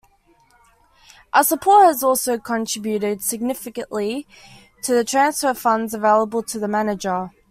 Our support has also contributed significantly to the transfer funds available to the manager.